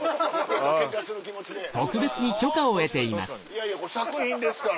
いやいやこれ作品ですから。